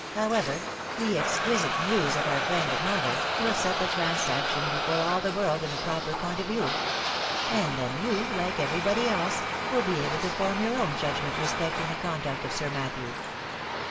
However, the exquisite muse of our friend, Norval, will set the transaction before all the world in a pro per point of view ; and then you, like every body else, will be able to form your own judgment respecting the conduct of Sir Mat thew."